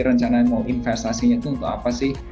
rencananya mau investasinya itu untuk apa sih